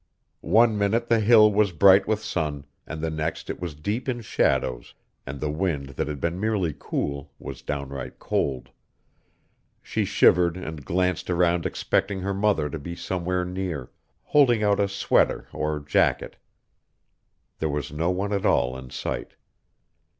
One minute the hill was bright with sun, and the next it was deep in shadows and the wind that had been merely cool was downright cold. She shivered and glanced around expecting her mother to be somewhere near, holding out a sweater or jacket. There was no one at all in sight.